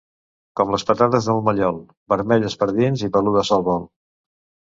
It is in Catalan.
Com les patates del Mallol, vermelles per dins i peludes al vol.